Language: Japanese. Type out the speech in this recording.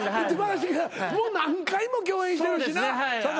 もう何回も共演してるしな酒井とは。